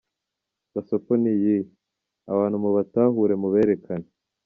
Gasopo ni iyihe, abantu mubatahure muberekane.